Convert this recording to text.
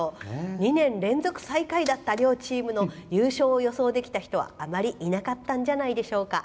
２年連続最下位だった両チームの優勝を予想できた人はあまりいなかったんじゃないでしょうか。